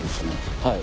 はい。